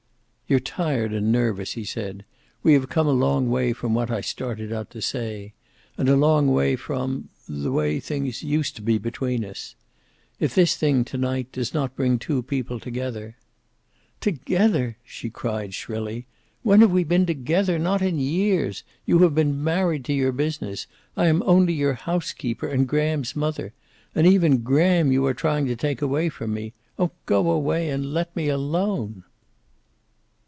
"You're tired and nervous," he said. "We have come a long way from what I started out to say. And a long way from the way things used to be between us. If this thing, to night, does not bring two people together " "Together!" she cried shrilly. "When have we been together? Not in years. You have been married to your business. I am only your housekeeper, and Graham's mother. And even Graham you are trying to take away from me. Oh, go away and let me alone."